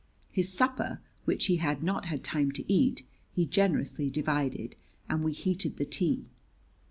His supper, which he had not had time to eat, he generously divided, and we heated the tea.